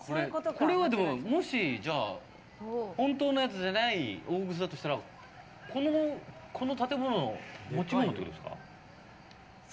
これは、でももし本当のやつじゃない大楠ならこの建物の持ち物ってことですか？